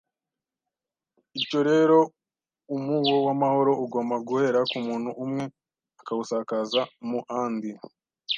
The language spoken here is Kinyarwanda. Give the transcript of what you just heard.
ityo rero umuo w’amahoro ugoma guhera ku muntu uwe akawusakaza mu and